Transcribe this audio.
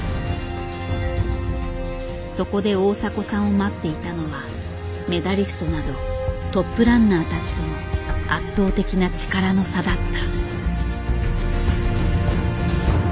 そこで大迫さんを待っていたのはメダリストなどトップランナーたちとの圧倒的な力の差だった。